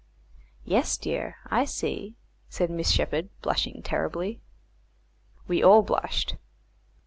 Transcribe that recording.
"Yes, dear; I see," said Miss Sheppard, blushing terribly. We all blushed.